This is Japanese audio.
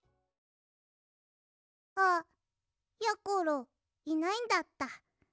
あやころいないんだった。